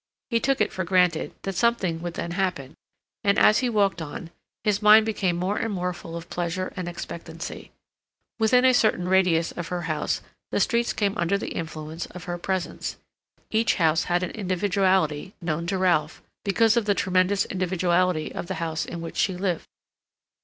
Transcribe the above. He took it for granted that something would then happen, and, as he walked on, his mind became more and more full of pleasure and expectancy. Within a certain radius of her house the streets came under the influence of her presence. Each house had an individuality known to Ralph, because of the tremendous individuality of the house in which she lived.